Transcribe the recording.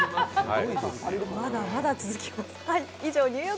まだまだ続きます。